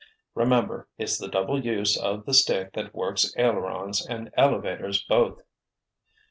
Remember, it's the double use of the stick that works ailerons and elevators both."